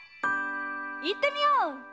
いってみよう！